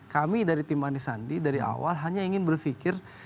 kami dari tim anisandi dari awal hanya ingin berfikir